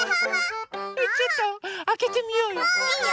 ⁉ちょっとあけてみようよ。